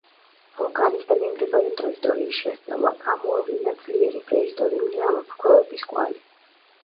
ვულკანის და მიმდებარე ტერიტორიის შესწავლამ გამოავლინა ძლიერი პრეისტორიული ამოფრქვევების კვალი.